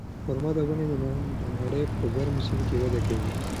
خورما ونې د نړۍ په ګرمو سیمو کې وده کوي.